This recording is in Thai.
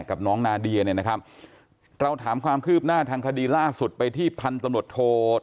กับน้องนาเดียเนี่ยนะครับเราถามความคืบหน้าทางคดีล่าสุดไปที่พันธุ์ตำรวจโท